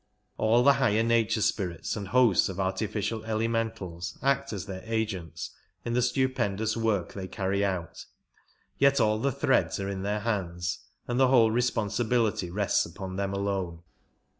All the higher nature spirits and hosts of artificial elementals act as their agents in the stupendous work they carry out, yet all the threads are in their hands, and the whole responsi bility rests upon them alone.